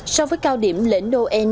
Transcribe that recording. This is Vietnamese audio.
so với cao điểm lễ noel